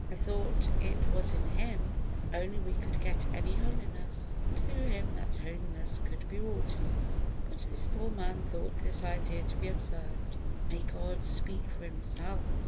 I thought it was in Him only we could get any holiness, and through Him that holiness could be wrought in us." But this poor man thought this idea to be absurd. May God speak for Himself!